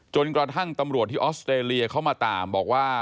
จนกระทั่งตำรวจที่ออสเตรเลียเขามาตามบอกว่า